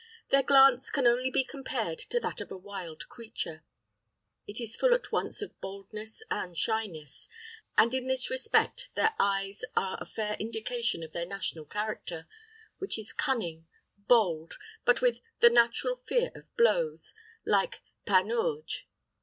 Their glance can only be compared to that of a wild creature. It is full at once of boldness and shyness, and in this respect their eyes are a fair indication of their national character, which is cunning, bold, but with "the natural fear of blows," like Panurge.